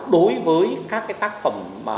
đối với các cái tác phẩm